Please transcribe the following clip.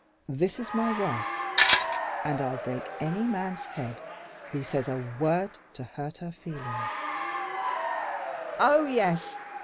This is my wife, and I'll break any man's head who says a word to hurt her feelings " "Oh yes!